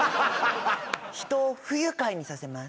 人を不愉快にさせます。